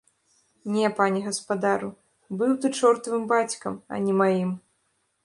Не, пане гаспадару, быў ты чортавым бацькам, а не маім!